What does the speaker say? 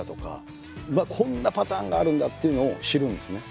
こんなパターンがあるんだっていうのを知るんですね。